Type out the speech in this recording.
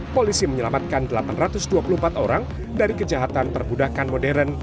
polisi menyelamatkan delapan ratus dua puluh empat orang dari kejahatan perbudakan modern